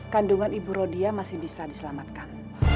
kandungan ibu rodia masih bisa diselamatkan